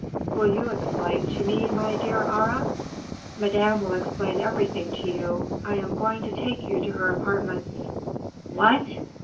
Will you explain to me, my dear Aure?" "Madame will explain everything to you. I am going to take you to her apartments. "_What!